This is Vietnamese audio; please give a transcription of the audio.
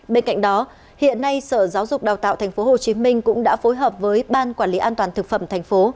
bên cạnh đó hiện nay sở giáo dục đào tạo tp hcm cũng đã phối hợp với ban quản lý an toàn thực phẩm thành phố